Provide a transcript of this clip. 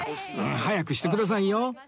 早くしてくださいよ